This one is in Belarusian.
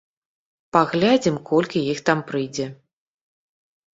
Паглядзім колькі іх там прыедзе.